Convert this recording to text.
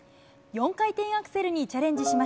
４回転アクセルにチャレンジしま